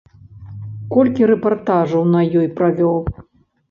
Колькі рэпартажаў на ёй правёў!